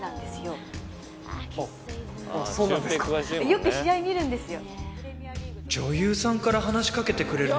よく試合見るんですよ！